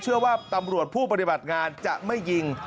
เชื่อว่าตำรวจผู้ปฏิบัติงานจะไม่ยิง